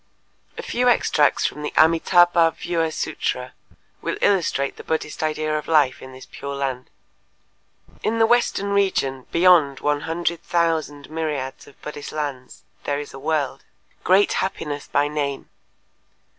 A few extracts from the Amitâbha Vyûha Sûtra will illustrate the Buddhist idea of life in this Pure Land: "In the western region beyond one hundred thousand myriads of Buddhist lands there is a world. Great Happiness by name.